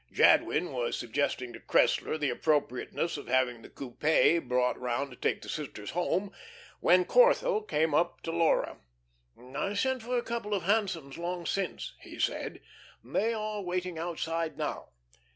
Jadwin was suggesting to Cressler the appropriateness of having the coupe brought around to take the sisters home, when Corthell came up to Laura. "I sent for a couple of hansoms long since," he said. "They are waiting outside now."